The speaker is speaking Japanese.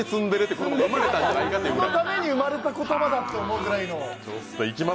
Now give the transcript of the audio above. このために生まれた言葉だって思うぐらいの。